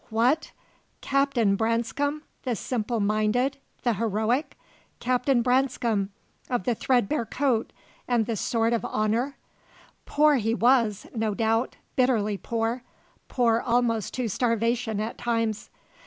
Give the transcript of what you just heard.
What? Captain Branscome, the simple minded, the heroic? Captain Branscome, of the threadbare coat and the sword of honour? Poor he was, no doubt bitterly poor poor almost to starvation at times.